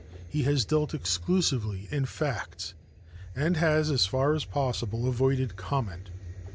He has dealt exclusively in facts and has, as far as possible, avoided comment.